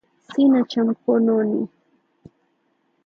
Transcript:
Sina cha mkononi,